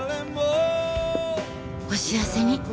お幸せに。